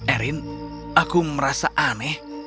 erin aku merasa aneh